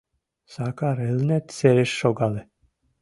Сакар Элнет сереш шогале.